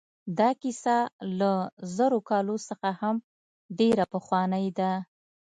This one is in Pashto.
دا کیسه له زرو کالو څخه هم ډېره پخوانۍ ده.